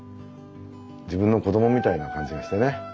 自分の子供みたいな感じがしてね。